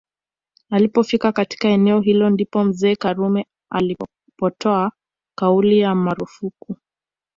Alipofika katika eneo hilo ndipo mzee Karume alipotoa kauli ya marufuku